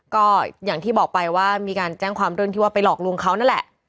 ก็อย่างที่บอกไปว่ามีการแจ้งความเรื่องที่ว่าไปหลอกลวงเขานั่นแหละ